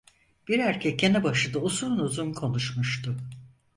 Bir erkek yanı başında uzun uzun konuşmuştu.